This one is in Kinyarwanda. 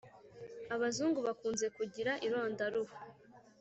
abazungu bakunze kugira ironda ruhu